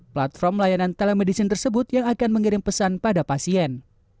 platform layanan telemedicine tersebut yang akan mengirim pesan pada pasien